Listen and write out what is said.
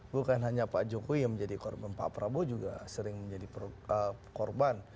bukan hanya pak jokowi yang menjadi korban pak prabowo juga sering menjadi korban